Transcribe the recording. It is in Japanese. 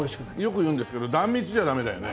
よく言うんですけど壇蜜じゃダメだよね？